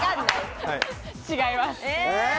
違います。